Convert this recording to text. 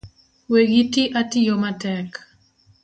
We giti atiyo matek